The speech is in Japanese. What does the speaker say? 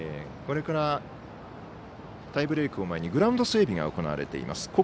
これからタイブレークを前にグラウンド整備が行われています。